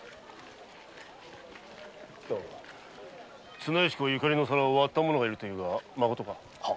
綱吉公ゆかりの皿を割った者がいるというのはまことか？